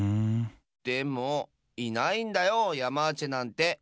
でもいないんだよヤマーチェなんて！